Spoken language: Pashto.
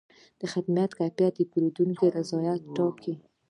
د خدمت کیفیت د پیرودونکي رضایت ټاکي.